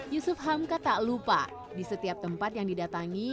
yusuf hamka tak lupa di setiap tempat yang didatangi